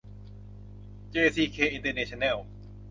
เจซีเค อินเตอร์เนชั่นแนล